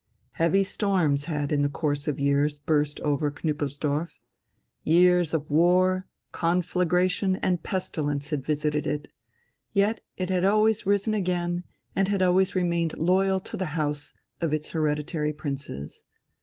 Heavy storms had in the course of years burst over Knüppelsdorf. Years of war, conflagration, and pestilence had visited it, yet it had always risen again and had always remained loyal to the house of its hereditary princes.